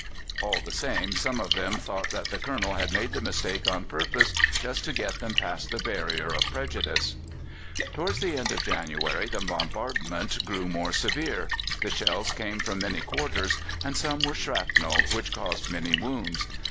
All the same, some of them thought that the Colonel had made the mistake on purpose, just to get them past the barrier of prejudice. Towards the end of January the bombardment grew more severe; the shells came from many quarters, and some were shrapnel, which caused many wounds.